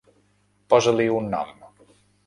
Posa-li un nom.